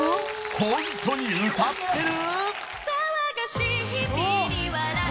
ホントに歌ってる？